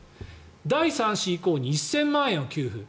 第３子以降に１０００万円を給付。